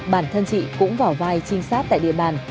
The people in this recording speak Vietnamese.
bản thân chị cũng vào vai trinh sát tại địa bàn